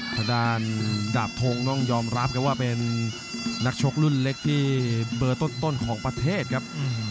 ทางด้านดาบทงต้องยอมรับครับว่าเป็นนักชกรุ่นเล็กที่เบอร์ต้นของประเทศครับ